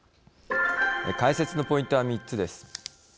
解説のポイントは３つです。